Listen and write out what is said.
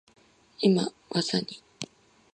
今、技に…。